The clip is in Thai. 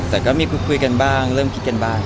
แต่ก็มีคุยกันบ้างเริ่มคิดกันบ้าง